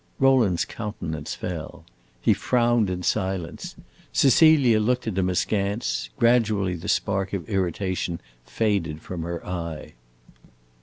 Rowland's countenance fell. He frowned in silence. Cecilia looked at him askance; gradually the spark of irritation faded from her eye.